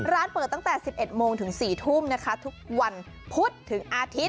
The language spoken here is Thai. ร้านเปิดตั้งแต่๑๑โมงถึง๔ทุ่มนะคะทุกวันพุธถึงอาทิตย